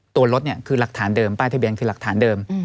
ตัวรถคือหลักฐานเดิมป้ายทะเบียนคือหลักฐานเดิม